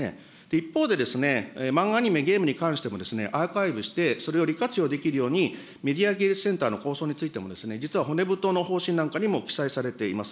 一方で、漫画、アニメ、ゲームに関してもアーカイブして、それを利活用できるようにメディア技術センターのを実は骨太の方針なんかにも記載されています。